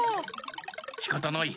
しかたない。